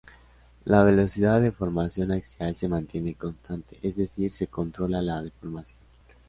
La velocidad de deformación axial se mantiene constante, es decir, se controla la deformación.